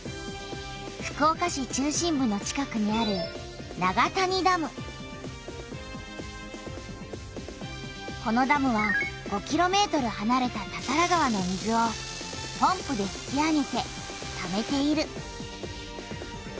福岡市中心部の近くにあるこのダムは５キロメートルはなれた多々良川の水をポンプで引き上げてためている。